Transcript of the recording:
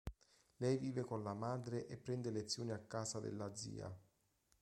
Lei vive con la madre e prende lezioni a casa della zia.